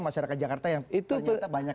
masyarakat jakarta yang ternyata banyak